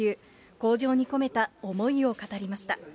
口上に込めた思いを語りました。